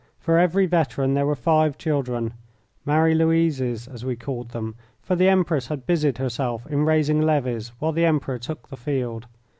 For every veteran there were five children Marie Louises, as we called them; for the Empress had busied herself in raising levies while the Emperor took the field.